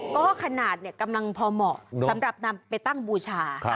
ก็ขนาดกำลังพอเหมาะสำหรับนำไปตั้งบูชา